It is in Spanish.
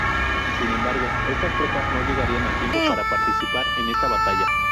Sin embargo, esas tropas no llegarían a tiempo para participar en esta batalla.